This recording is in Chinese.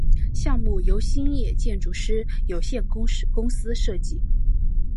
项目由兴业建筑师有限公司设计。